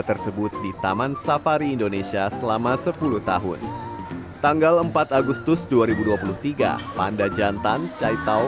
tersebut di taman safari indonesia selama sepuluh tahun tanggal empat agustus dua ribu dua puluh tiga panda jantan caitau